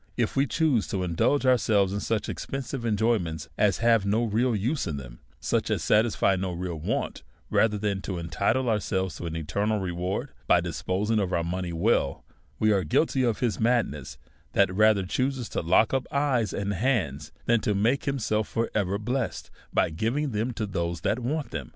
If we choose to indulge ourselves in such expensive en joyments as have no real use in them^ such as satisfy no real want^ rather than to entitle ourselves to an eternal reward, by disposing of our money well^ w^ are guilty of his madness^ who rather chooses to lock up eyes and hands than to make himself for ever bless ed^ by giving them to those that want them.